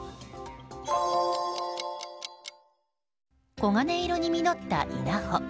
黄金色に実った稲穂。